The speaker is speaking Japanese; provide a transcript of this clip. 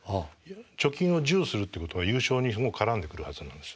貯金を１０するっていうことは優勝に絡んでくるはずなんです。